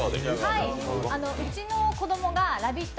うちの子供が「ラヴィット！」